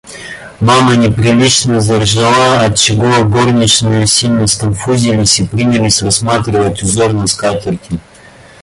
Мама неприлично заржала, отчего горничные сильно сконфузились и принялись рассматривать узор на скатерти.